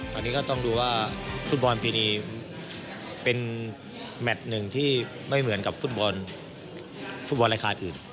ตอนนี้ก็ต้องดูว่าฟุตบอลปีนี้เป็นแมทหนึ่งที่ไม่เหมือนกับฟุตบอลฟุตบอลรายการอื่น